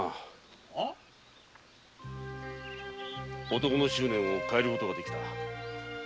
男の執念を変えることができたのだ。